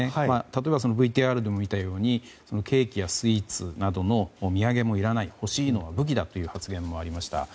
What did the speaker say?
例えば、ＶＴＲでも見たようにケーキやスイーツなどの土産もいらない欲しいのは武器だという発言もありました。